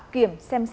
kiểm tra tỉnh sơn la